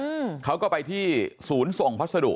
อืมเขาก็ไปที่ศูนย์ส่งพัสดุ